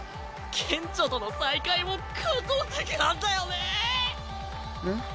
ケンチョとの再会も感動的なんだよねぇん？